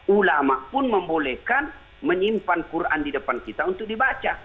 ulama pun membolehkan menyimpan quran di depan kita untuk dibaca